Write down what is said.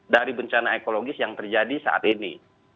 dari bencana ekologis yang terjadi saat ini